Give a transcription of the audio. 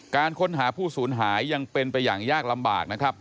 การค้นหาผู้สูญหายยังเป็นไปอย่างยากลำบากนะครับ